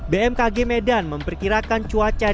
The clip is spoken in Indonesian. bmkg medan memperkirakan cuaca di